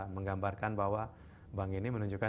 menggambarkan bahwa bank ini menunjukkan